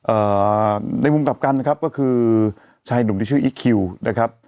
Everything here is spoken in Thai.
เอ่อในมุมกลับกันนะครับก็คือชายหนุ่มที่ชื่ออิ๊กคิวนะครับ